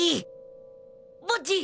ボッジ！